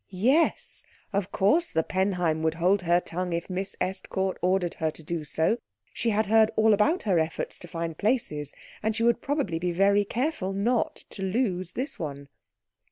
Yes, of course the Penheim would hold her tongue if Miss Estcourt ordered her to do so. She had heard all about her efforts to find places, and she would probably be very careful not to lose this one.